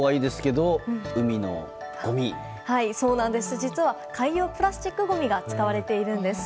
実は海洋プラスチックごみが使われているんです。